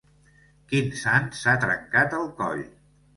Quin sant s'ha trencat el coll?